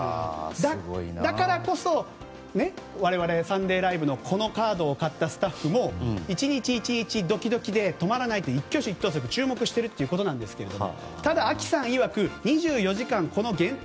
だからこそ、我々「サンデーＬＩＶＥ！！」のこのカードを買ったスタッフも１日１日ドキドキで止まらないと一挙手一投足注目しているということですがただ、ＡＫｉさん曰く２４時間この限定